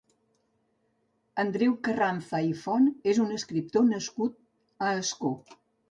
Andreu Carranza i Font és un escriptor nascut a Ascó.